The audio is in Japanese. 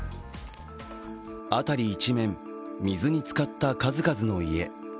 辺り一面、水につかった数々の家。